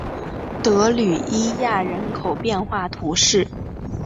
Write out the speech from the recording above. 德吕伊亚人口变化图示